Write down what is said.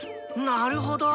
なるほど！